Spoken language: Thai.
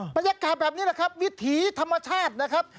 บรรยากาศแบบนี้แหละครับวิถีธรรมชาตินะครับ